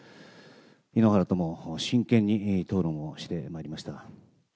井ノ原とも真剣に討論をしてまいりました。